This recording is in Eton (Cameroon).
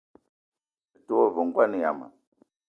Me te wa ve ngoan yama.